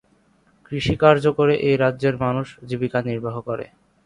কৃষি কার্য করে এই রাজ্যের মানুষ জীবিকা নির্বাহ করে।